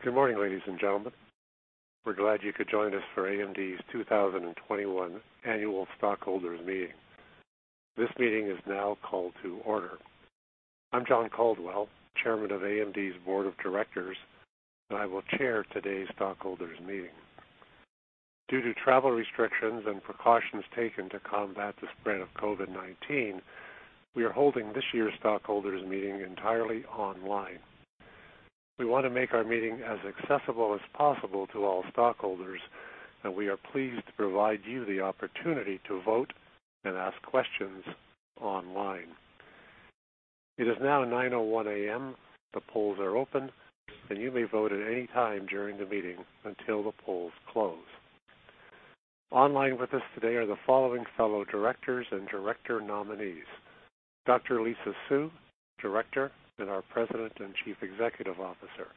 Good morning, ladies and gentlemen. We're glad you could join us for AMD's 2021 annual stockholders meeting. This meeting is now called to order. I'm John Caldwell, chairman of AMD's board of directors, and I will chair today's stockholders meeting. Due to travel restrictions and precautions taken to combat the spread of COVID-19, we are holding this year's stockholders meeting entirely online. We want to make our meeting as accessible as possible to all stockholders, and we are pleased to provide you the opportunity to vote and ask questions online. It is now 9:01 A.M. The polls are open, and you may vote at any time during the meeting until the polls close. Online with us today are the following fellow directors and director nominees: Dr. Lisa Su, director, and our President and Chief Executive Officer;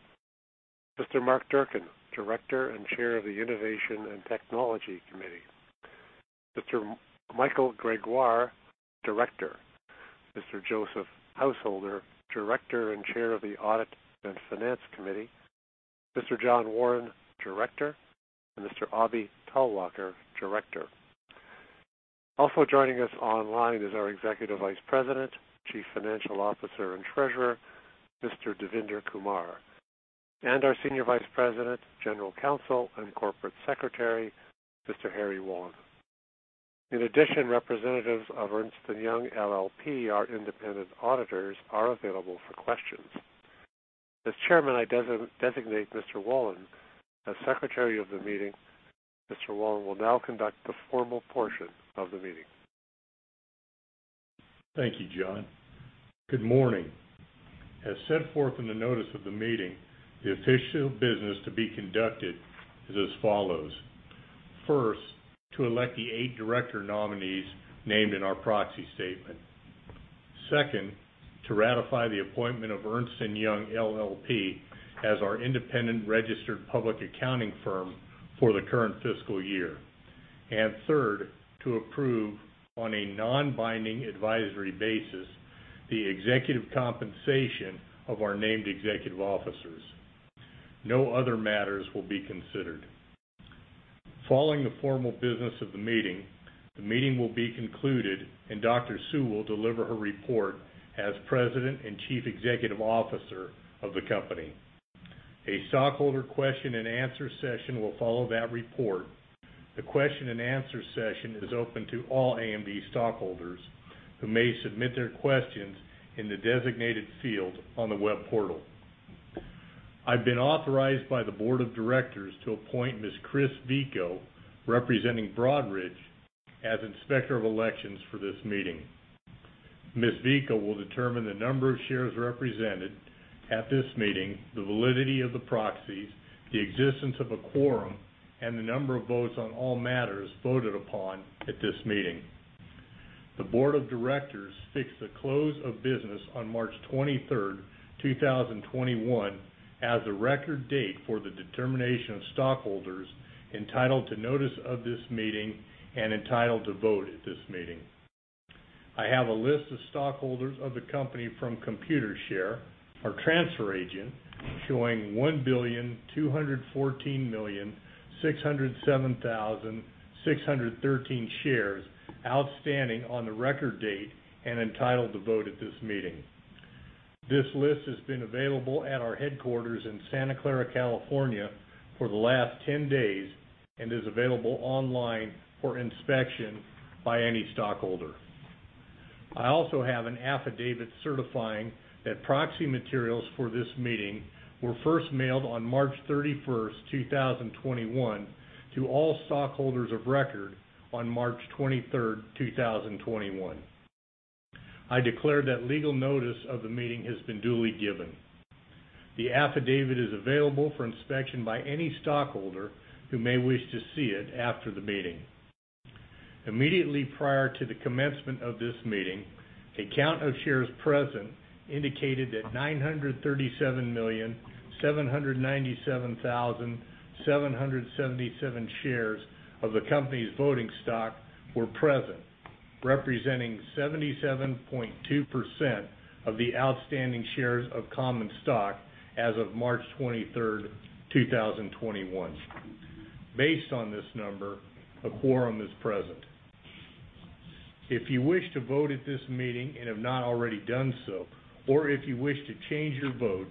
Mr. Mark Durcan, director and Chair of the Innovation and Technology Committee; Mr. Michael Gregoire, director; Mr. Joseph Householder, director and Chair of the Audit and Finance Committee; Mr. John W. Marren, director; and Mr. Abhi Talwalkar, director. Also joining us online is our Executive Vice President, Chief Financial Officer, and Treasurer, Mr. Devinder Kumar, and our Senior Vice President, General Counsel, and Corporate Secretary, Mr. Harry Wolin. In addition, representatives of Ernst & Young LLP, our independent auditors, are available for questions. As Chairman, I designate Mr. Wolin as Secretary of the meeting. Mr. Wolin will now conduct the formal portion of the meeting. Thank you, John. Good morning. As set forth in the notice of the meeting, the official business to be conducted is as follows. First, to elect the eight director nominees named in our proxy statement. Second, to ratify the appointment of Ernst & Young LLP as our independent registered public accounting firm for the current fiscal year. Third, to approve, on a non-binding advisory basis, the executive compensation of our named executive officers. No other matters will be considered. Following the formal business of the meeting, the meeting will be concluded and Dr. Lisa Su will deliver her report as President and Chief Executive Officer of the company. A stockholder question and answer session will follow that report. The question and answer session is open to all AMD stockholders who may submit their questions in the designated field on the web portal. I've been authorized by the board of directors to appoint Ms. Chris Vico, representing Broadridge, as inspector of elections for this meeting. Ms. Vico will determine the number of shares represented at this meeting, the validity of the proxies, the existence of a quorum, and the number of votes on all matters voted upon at this meeting. The board of directors fixed the close of business on March 23rd, 2021, as the record date for the determination of stockholders entitled to notice of this meeting and entitled to vote at this meeting. I have a list of stockholders of the company from Computershare, our transfer agent, showing 1,214,607,613 shares outstanding on the record date and entitled to vote at this meeting. This list has been available at our headquarters in Santa Clara, California, for the last 10 days and is available online for inspection by any stockholder. I also have an affidavit certifying that proxy materials for this meeting were first mailed on March 31, 2021, to all stockholders of record on March 23, 2021. I declare that legal notice of the meeting has been duly given. The affidavit is available for inspection by any stockholder who may wish to see it after the meeting. Immediately prior to the commencement of this meeting, a count of shares present indicated that 937,797,777 shares of the company's voting stock were present, representing 77.2% of the outstanding shares of common stock as of March 23, 2021. Based on this number, a quorum is present. If you wish to vote at this meeting and have not already done so, or if you wish to change your vote,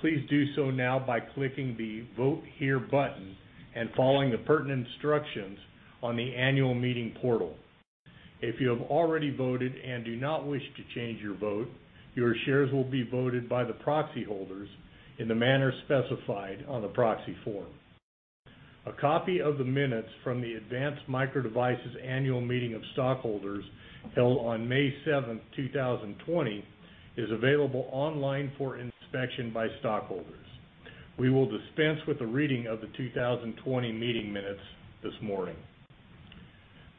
please do so now by clicking the Vote Here button and following the pertinent instructions on the annual meeting portal. If you have already voted and do not wish to change your vote, your shares will be voted by the proxy holders in the manner specified on the proxy form. A copy of the minutes from the Advanced Micro Devices annual meeting of stockholders held on May 7th, 2020, is available online for inspection by stockholders. We will dispense with the reading of the 2020 meeting minutes this morning.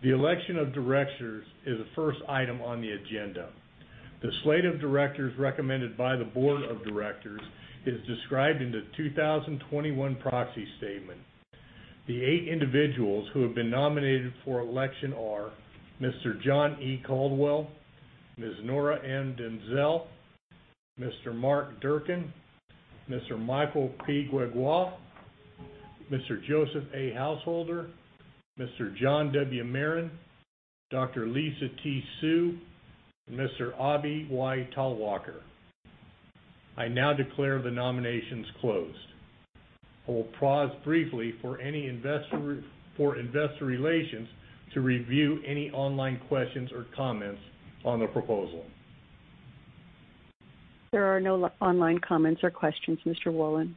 The election of directors is the first item on the agenda. The slate of directors recommended by the board of directors is described in the 2021 proxy statement. The eight individuals who have been nominated for election are Mr. John E. Caldwell, Ms. Nora M. Denzel, Mr. Mark Durcan, Mr. Michael P. Gregoire, Mr. Joseph A. Householder, Mr. John W. Marren, Dr. Lisa T. Su, and Mr. Abhi Y. Talwalkar. I now declare the nominations closed. I will pause briefly for investor relations to review any online questions or comments on the proposal. There are no online comments or questions, Mr. Wolin.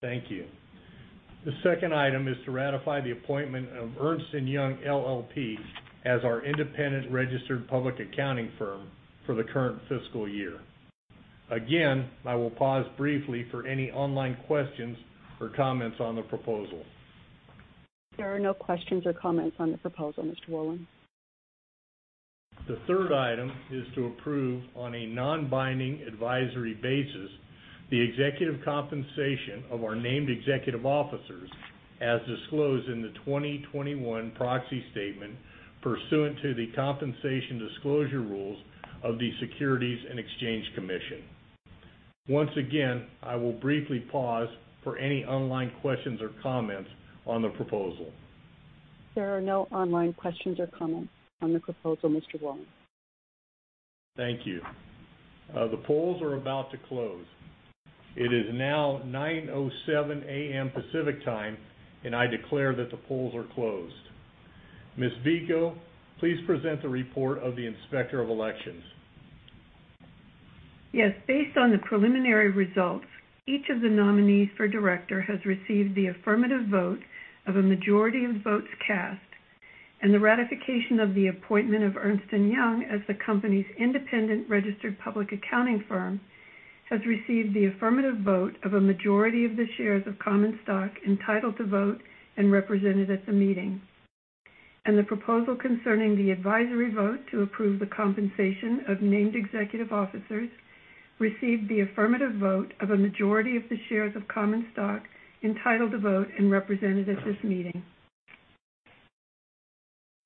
Thank you. The second item is to ratify the appointment of Ernst & Young LLP as our independent registered public accounting firm for the current fiscal year. Again, I will pause briefly for any online questions or comments on the proposal. There are no questions or comments on the proposal, Mr. Wolin. The third item is to approve, on a non-binding advisory basis, the executive compensation of our named executive officers as disclosed in the 2021 proxy statement pursuant to the compensation disclosure rules of the Securities and Exchange Commission. Once again, I will briefly pause for any online questions or comments on the proposal. There are no online questions or comments on the proposal, Mr. Wolin. Thank you. The polls are about to close. It is now 9:07 AM Pacific Time. I declare that the polls are closed. Ms. Vico, please present the report of the Inspector of Elections. Yes. Based on the preliminary results, each of the nominees for director has received the affirmative vote of a majority of votes cast, and the ratification of the appointment of Ernst & Young as the company's independent registered public accounting firm has received the affirmative vote of a majority of the shares of common stock entitled to vote and represented at the meeting. The proposal concerning the advisory vote to approve the compensation of named executive officers received the affirmative vote of a majority of the shares of common stock entitled to vote and represented at this meeting.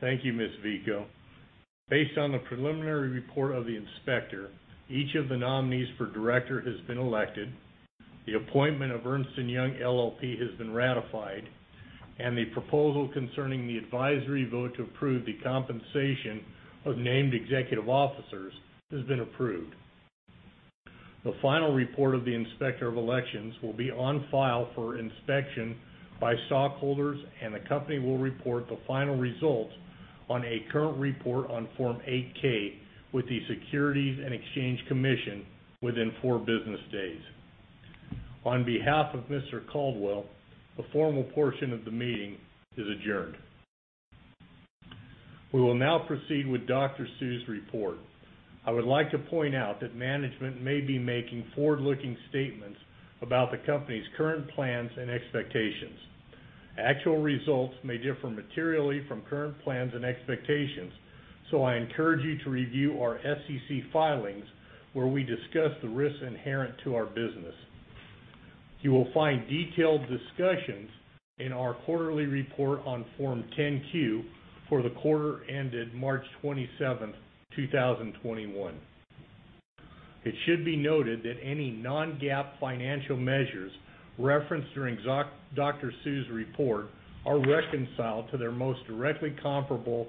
Thank you, Ms. Vico. Based on the preliminary report of the Inspector, each of the nominees for director has been elected, the appointment of Ernst & Young LLP has been ratified, and the proposal concerning the advisory vote to approve the compensation of named executive officers has been approved. The final report of the Inspector of Elections will be on file for inspection by stockholders, and the company will report the final results on a current report on Form 8-K with the Securities and Exchange Commission within four business days. On behalf of Mr. Caldwell, the formal portion of the meeting is adjourned. We will now proceed with Dr. Su's report. I would like to point out that management may be making forward-looking statements about the company's current plans and expectations. Actual results may differ materially from current plans and expectations, so I encourage you to review our SEC filings, where we discuss the risks inherent to our business. You will find detailed discussions in our quarterly report on Form 10-Q for the quarter ended March 27th, 2021. It should be noted that any non-GAAP financial measures referenced during Dr. Su's report are reconciled to their most directly comparable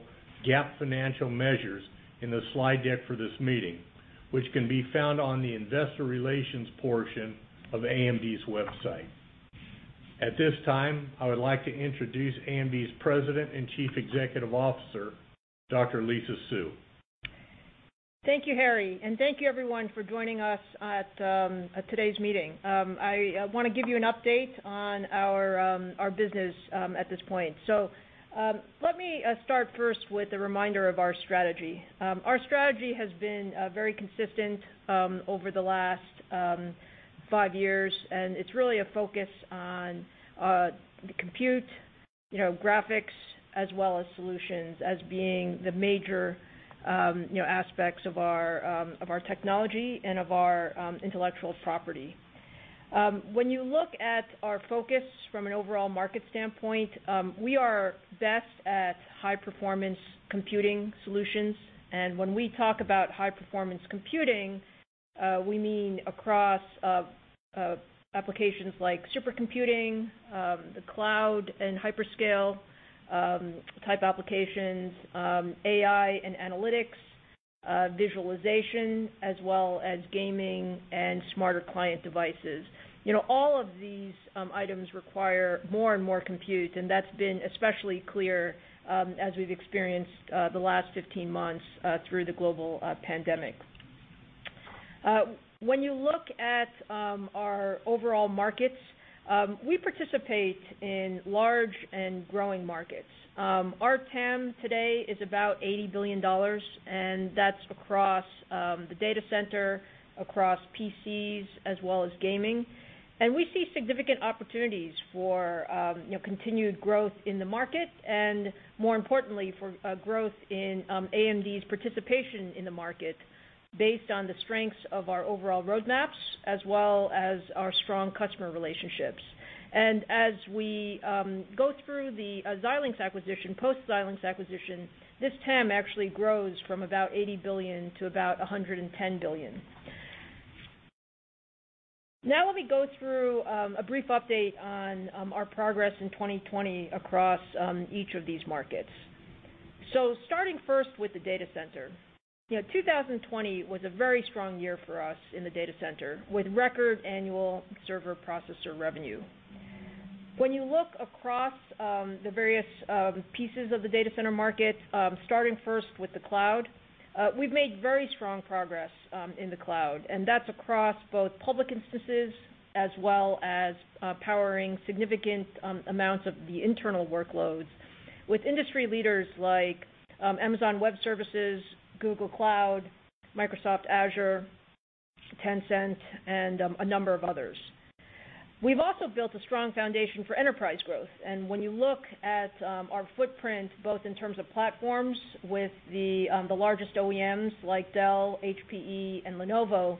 GAAP financial measures in the slide deck for this meeting, which can be found on the investor relations portion of AMD's website. At this time, I would like to introduce AMD's President and Chief Executive Officer, Dr. Lisa Su. Thank you, Harry, and thank you everyone for joining us at today's meeting. I want to give you an update on our business at this point. Let me start first with a reminder of our strategy. Our strategy has been very consistent over the last five years, and it's really a focus on compute, graphics, as well as solutions as being the major aspects of our technology and of our intellectual property. When you look at our focus from an overall market standpoint, we are best at high-performance computing solutions. When we talk about high-performance computing, we mean across applications like supercomputing, the cloud and hyperscale-type applications, AI and analytics, visualization, as well as gaming and smarter client devices. All of these items require more and more compute, and that's been especially clear as we've experienced the last 15 months through the global pandemic. When you look at our overall markets, we participate in large and growing markets. Our TAM today is about $80 billion, and that's across the data center, across PCs, as well as gaming. We see significant opportunities for continued growth in the market, and more importantly, for growth in AMD's participation in the market based on the strengths of our overall roadmaps as well as our strong customer relationships. As we go through the post-Xilinx acquisition, this TAM actually grows from about $80 billion to about $110 billion. Now let me go through a brief update on our progress in 2020 across each of these markets. Starting first with the data center. 2020 was a very strong year for us in the data center with record annual server processor revenue. When you look across the various pieces of the data center market, starting first with the cloud, we've made very strong progress in the cloud, and that's across both public instances as well as powering significant amounts of the internal workloads with industry leaders like Amazon Web Services, Google Cloud, Microsoft Azure, Tencent, and a number of others. We've also built a strong foundation for enterprise growth. And when you look at our footprint, both in terms of platforms with the largest OEMs like Dell, HPE, and Lenovo,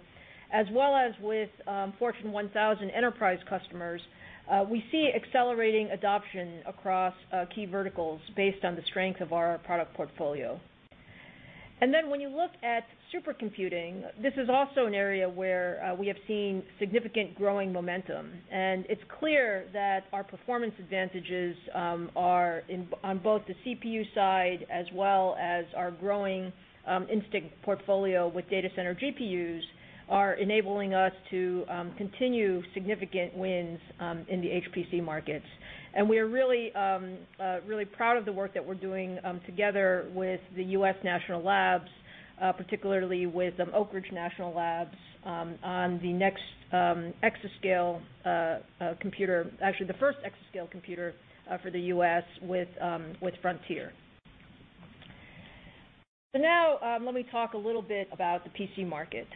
as well as with Fortune 1000 enterprise customers, we see accelerating adoption across key verticals based on the strength of our product portfolio. When you look at supercomputing, this is also an area where we have seen significant growing momentum, and it's clear that our performance advantages are on both the CPU side as well as our growing Instinct portfolio with data center GPUs are enabling us to continue significant wins in the HPC markets. We're really proud of the work that we're doing together with the U.S. national labs, particularly with Oak Ridge National Laboratory on the next exascale computer, actually the first exascale computer for the U.S. with Frontier. Let me talk a little bit about the PC market.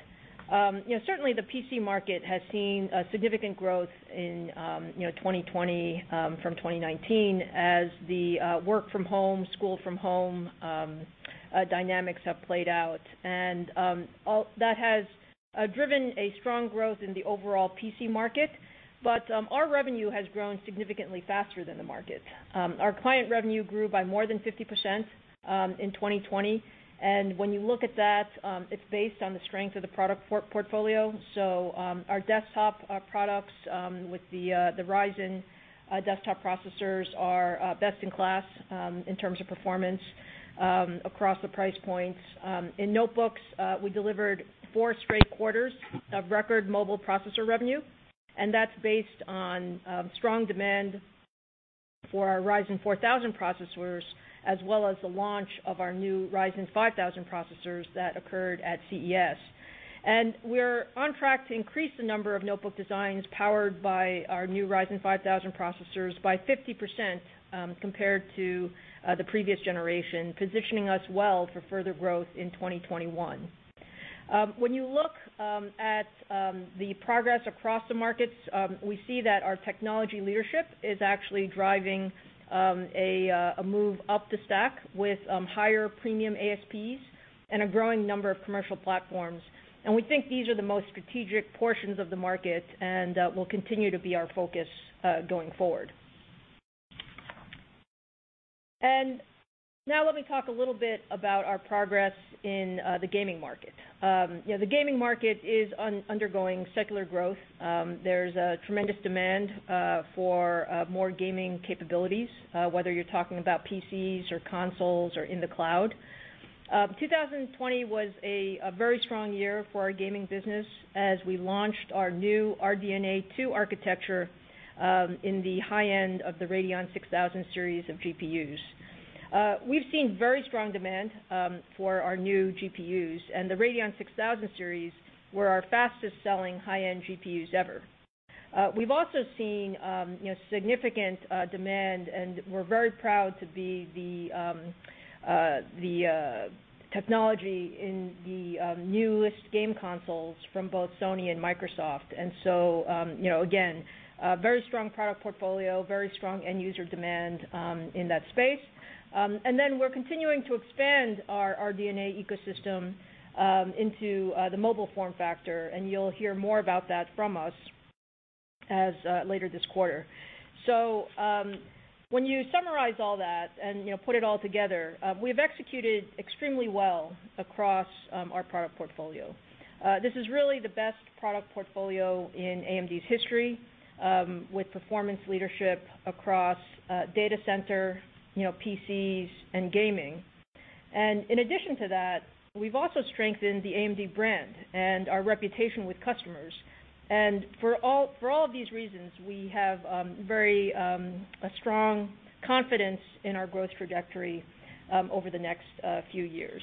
Certainly, the PC market has seen significant growth in 2020 from 2019 as the work from home, school from home dynamics have played out. That has driven a strong growth in the overall PC market, but our revenue has grown significantly faster than the market. Our client revenue grew by more than 50% in 2020. When you look at that, it's based on the strength of the product portfolio. Our desktop products with the Ryzen desktop processors are best in class in terms of performance across the price points. In notebooks, we delivered four straight quarters of record mobile processor revenue. That's based on strong demand for our Ryzen 4000 processors, as well as the launch of our new Ryzen 5000 processors that occurred at CES. We're on track to increase the number of notebook designs powered by our new Ryzen 5000 processors by 50% compared to the previous generation, positioning us well for further growth in 2021. You look at the progress across the markets, we see that our technology leadership is actually driving a move up the stack with higher premium ASPs and a growing number of commercial platforms. We think these are the most strategic portions of the market and will continue to be our focus going forward. Now let me talk a little bit about our progress in the gaming market. The gaming market is undergoing secular growth. There's a tremendous demand for more gaming capabilities, whether you're talking about PCs or consoles or in the cloud. 2020 was a very strong year for our gaming business as we launched our new RDNA 2 architecture in the high end of the Radeon 6000 series of GPUs. We've seen very strong demand for our new GPUs, the Radeon 6000 series were our fastest-selling high-end GPUs ever. We've also seen significant demand, we're very proud to be the technology in the newest game consoles from both Sony and Microsoft. Again, very strong product portfolio, very strong end user demand in that space. We're continuing to expand our RDNA ecosystem into the mobile form factor, and you'll hear more about that from us later this quarter. When you summarize all that and put it all together, we've executed extremely well across our product portfolio. This is really the best product portfolio in AMD's history with performance leadership across data center, PCs, and gaming. In addition to that, we've also strengthened the AMD brand and our reputation with customers. For all of these reasons, we have very strong confidence in our growth trajectory over the next few years.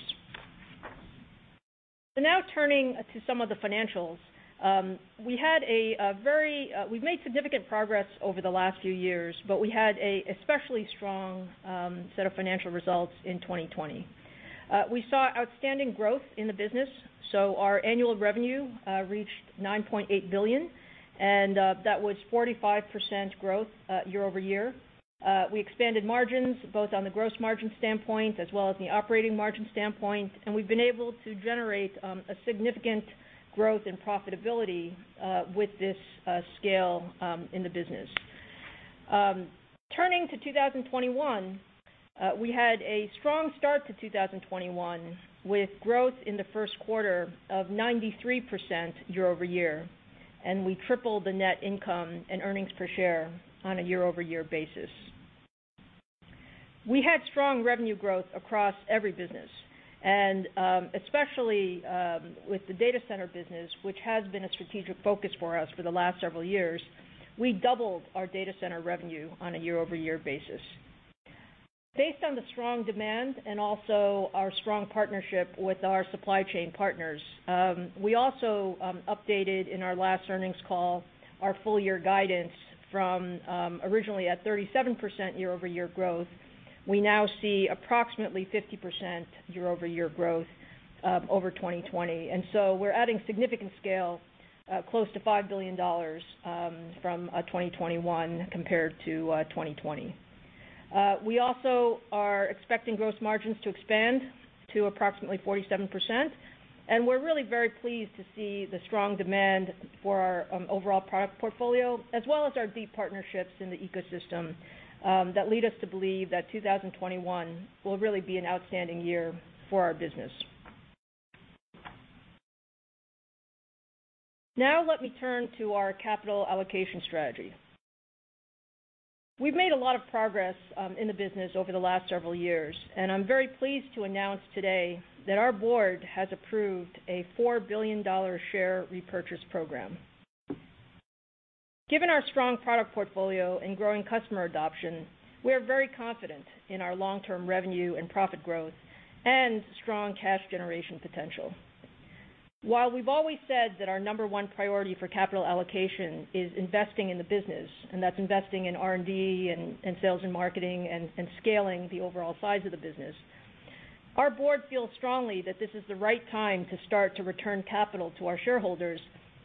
Now turning to some of the financials. We've made significant progress over the last few years. We had an especially strong set of financial results in 2020. We saw outstanding growth in the business. Our annual revenue reached $9.8 billion, and that was 45% growth year-over-year. We expanded margins both on the gross margin standpoint as well as the operating margin standpoint. We've been able to generate a significant growth in profitability with this scale in the business. Turning to 2021, we had a strong start to 2021 with growth in the first quarter of 93% year-over-year. We tripled the net income and earnings per share on a year-over-year basis. We had strong revenue growth across every business and especially with the data center business, which has been a strategic focus for us for the last several years. We doubled our data center revenue on a year-over-year basis. Based on the strong demand and also our strong partnership with our supply chain partners, we also updated in our last earnings call our full year guidance from originally at 37% year-over-year growth. We now see approximately 50% year-over-year growth over 2020. We're adding significant scale, close to $5 billion from 2021 compared to 2020. We also are expecting gross margins to expand to approximately 47%, and we're really very pleased to see the strong demand for our overall product portfolio, as well as our deep partnerships in the ecosystem that lead us to believe that 2021 will really be an outstanding year for our business. Now let me turn to our capital allocation strategy. We've made a lot of progress in the business over the last several years, and I'm very pleased to announce today that our Board has approved a $4 billion share repurchase program. Given our strong product portfolio and growing customer adoption, we are very confident in our long-term revenue and profit growth and strong cash generation potential. While we've always said that our number one priority for capital allocation is investing in the business, and that's investing in R&D and sales and marketing and scaling the overall size of the business, our Board feels strongly that this is the right time to start to return capital to our shareholders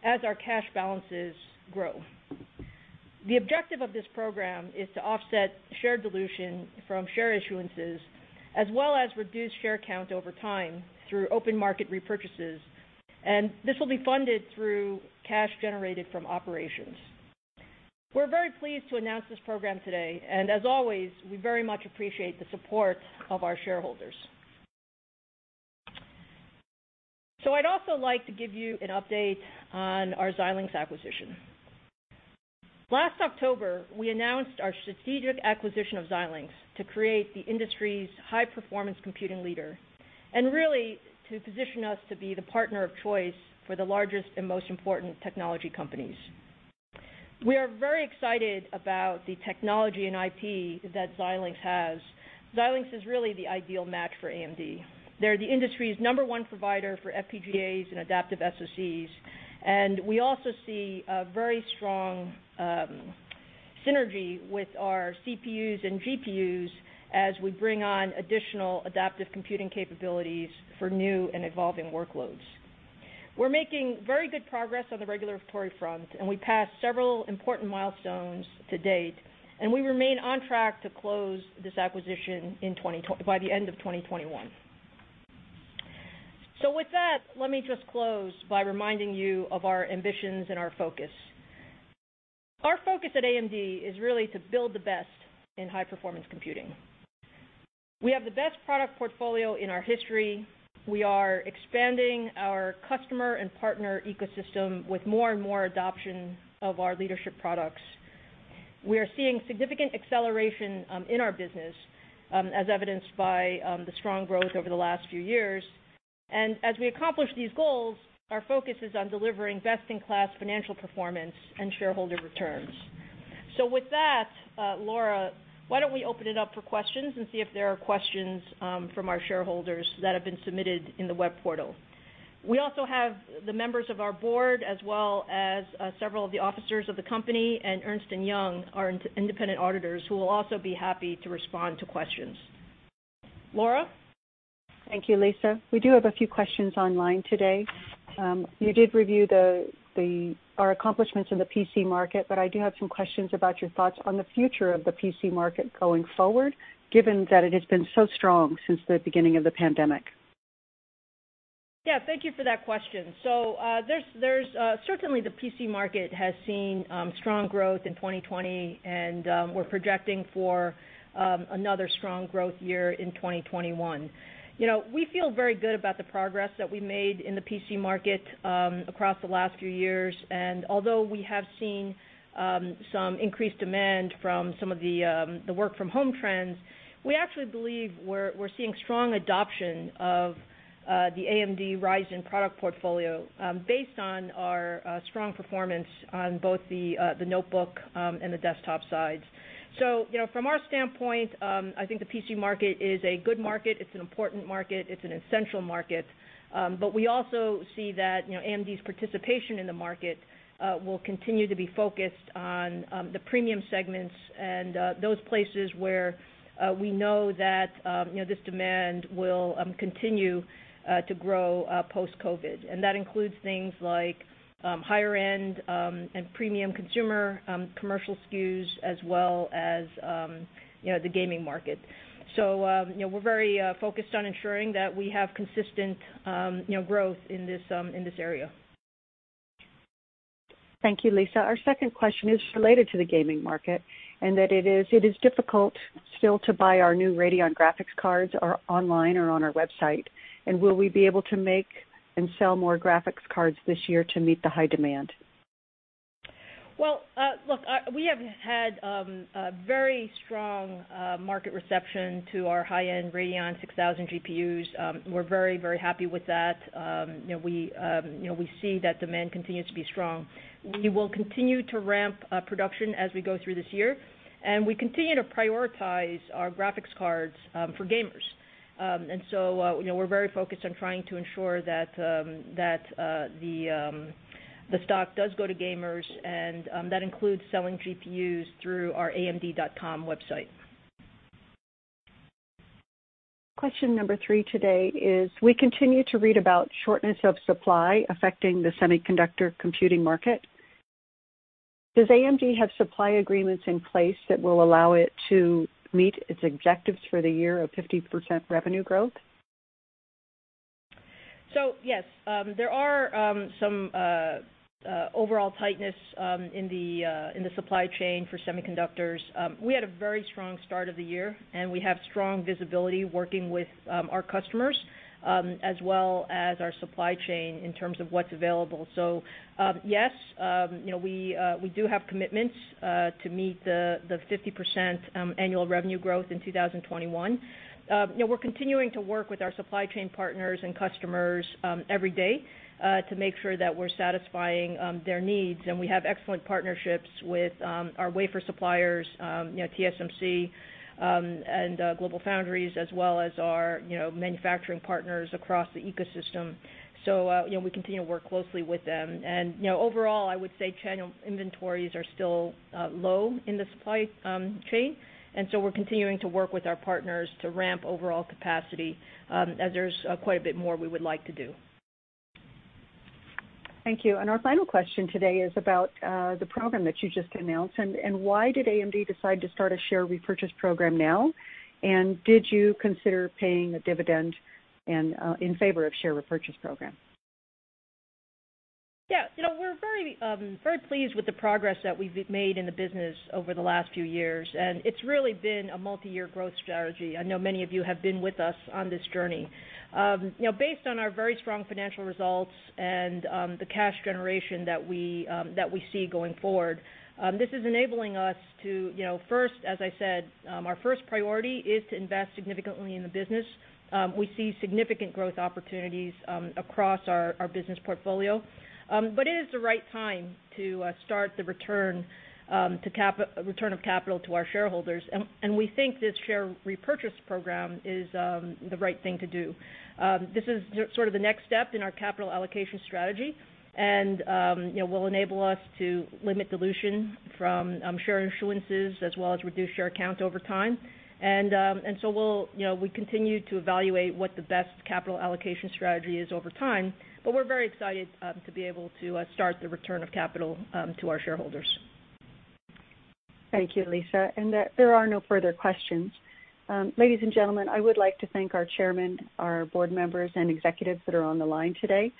as our cash balances grow. The objective of this program is to offset share dilution from share issuances, as well as reduce share count over time through open market repurchases, and this will be funded through cash generated from operations. We're very pleased to announce this program today, and as always, we very much appreciate the support of our shareholders. I'd also like to give you an update on our Xilinx acquisition. Last October, we announced our strategic acquisition of Xilinx to create the industry's high-performance computing leader and really to position us to be the partner of choice for the largest and most important technology companies. We are very excited about the technology and IP that Xilinx has. Xilinx is really the ideal match for AMD. They're the industry's number one provider for FPGAs and adaptive SoCs, and we also see a very strong synergy with our CPUs and GPUs as we bring on additional adaptive computing capabilities for new and evolving workloads. We're making very good progress on the regulatory front, and we passed several important milestones to date, and we remain on track to close this acquisition by the end of 2021. With that, let me just close by reminding you of our ambitions and our focus. Our focus at AMD is really to build the best in high-performance computing. We have the best product portfolio in our history. We are expanding our customer and partner ecosystem with more and more adoption of our leadership products. We are seeing significant acceleration in our business, as evidenced by the strong growth over the last few years. As we accomplish these goals, our focus is on delivering best-in-class financial performance and shareholder returns. With that, Laura, why don't we open it up for questions and see if there are questions from our shareholders that have been submitted in the web portal. We also have the members of our board, as well as several of the officers of the company, and Ernst & Young, our independent auditors, who will also be happy to respond to questions. Laura? Thank you, Lisa. We do have a few questions online today. You did review our accomplishments in the PC market, but I do have some questions about your thoughts on the future of the PC market going forward, given that it has been so strong since the beginning of the pandemic. Yeah, thank you for that question. Certainly, the PC market has seen strong growth in 2020, and we're projecting for another strong growth year in 2021. We feel very good about the progress that we made in the PC market across the last few years, and although we have seen some increased demand from some of the work from home trends, we actually believe we're seeing strong adoption of the AMD Ryzen product portfolio based on our strong performance on both the notebook and the desktop sides. From our standpoint, I think the PC market is a good market. It's an important market. It's an essential market. We also see that AMD's participation in the market will continue to be focused on the premium segments and those places where we know that this demand will continue to grow post-COVID. That includes things like higher-end and premium consumer commercial SKUs as well as the gaming market. We're very focused on ensuring that we have consistent growth in this area. Thank you, Lisa. Our second question is related to the gaming market, and that it is difficult still to buy our new Radeon graphics cards online or on our website. Will we be able to make and sell more graphics cards this year to meet the high demand? Look, we have had a very strong market reception to our high-end Radeon 6000 GPUs. We are very, very happy with that. We see that demand continues to be strong. We will continue to ramp up production as we go through this year. We continue to prioritize our graphics cards for gamers. So, we are very focused on trying to ensure that the stock does go to gamers, and that includes selling GPUs through our amd.com website. Question number three today is, we continue to read about shortness of supply affecting the semiconductor computing market. Does AMD have supply agreements in place that will allow it to meet its objectives for the year of 50% revenue growth? Yes, there are some overall tightness in the supply chain for semiconductors. We had a very strong start of the year, and we have strong visibility working with our customers, as well as our supply chain in terms of what's available. Yes, we do have commitments to meet the 50% annual revenue growth in 2021. We're continuing to work with our supply chain partners and customers every day to make sure that we're satisfying their needs. We have excellent partnerships with our wafer suppliers, TSMC, and GlobalFoundries, as well as our manufacturing partners across the ecosystem. We continue to work closely with them. Overall, I would say channel inventories are still low in the supply chain. We're continuing to work with our partners to ramp overall capacity, and there's quite a bit more we would like to do. Thank you. Our final question today is about the program that you just announced, and why did AMD decide to start a share repurchase program now? Did you consider paying a dividend in favor of share repurchase program? Yeah. We're very pleased with the progress that we've made in the business over the last few years, and it's really been a multi-year growth strategy. I know many of you have been with us on this journey. Based on our very strong financial results and the cash generation that we see going forward, this is enabling us to, first, as I said, our first priority is to invest significantly in the business. We see significant growth opportunities across our business portfolio. It is the right time to start the return of capital to our shareholders, and we think this share repurchase program is the right thing to do. This is sort of the next step in our capital allocation strategy, and it will enable us to limit dilution from share issuances as well as reduce share count over time. We'll continue to evaluate what the best capital allocation strategy is over time, but we're very excited to be able to start the return of capital to our shareholders. Thank you, Lisa. There are no further questions. Ladies and gentlemen, I would like to thank our chairman, our board members and executives that are on the line today.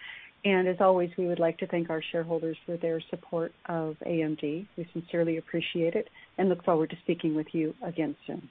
As always, we would like to thank our shareholders for their support of AMD. We sincerely appreciate it and look forward to speaking with you again soon.